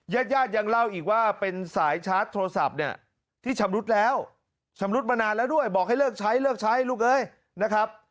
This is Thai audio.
ญาติญาติยังเล่าอีกว่าเป็นสายชาร์จโทรศัพท์เนี่ยที่ชำรุดแล้วชำรุดมานานแล้วด้วยบอกให้เลิกใช้เลิกใช้ลูกเอ้ยนะครับ